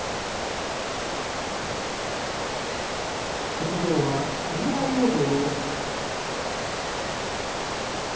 先導は木村容堂。